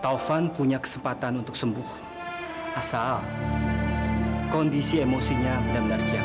taufan punya kesempatan untuk sembuh asal kondisi emosinya benar benar sehat